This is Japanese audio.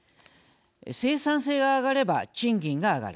生産性が上がれば賃金も上がる。